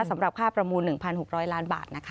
สำหรับค่าประมูล๑๖๐๐ล้านบาทนะคะ